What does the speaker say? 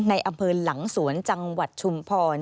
ในอำเภอหลังสวนจังหวัดชุมพร